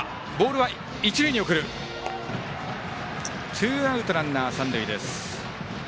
ツーアウト、ランナー、三塁です。